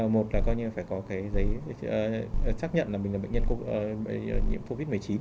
một là coi như phải có cái giấy xác nhận là mình là bệnh nhân nhiễm covid một mươi chín